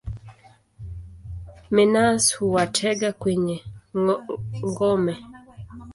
Minus huwatega kwenye ngome.